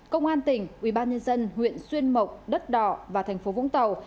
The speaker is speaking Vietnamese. công an tỉnh ubnd huyện xuyên mộc đất đỏ và tp vũng tàu